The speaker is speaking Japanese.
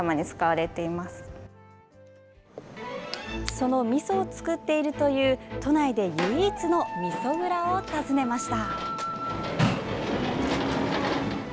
そのみそを作っているという都内で唯一のみそ蔵を訪ねました。